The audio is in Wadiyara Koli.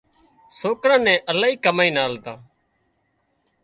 سوڪرا اين الاهي ڪمائينَ آلتا